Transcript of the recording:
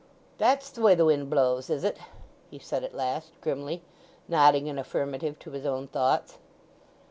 "That's the way the wind blows, is it?" he said at last grimly, nodding an affirmative to his own thoughts.